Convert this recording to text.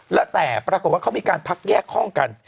แล้วแต่ปรากฏว่าเขามีการพักแยกห้องกัน